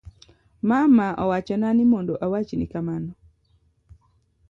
Mama owachona ni mondo awachni kamano